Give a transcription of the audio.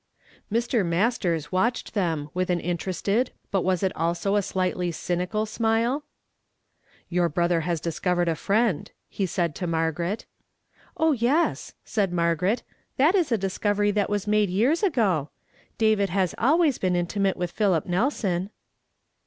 Mr. Masters watched them with an interested, but was it also a sliglitly cynical smile ?" Your brother has discovered a friend," he said to Margaret. "Oh, yes," said Margaret; "that is a discovery that was made years ago. David has always been intimate with Philip Nelson."